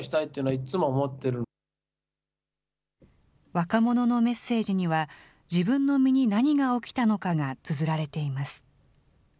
若者のメッセージには、自分の身に何が起きたのかがつづられています。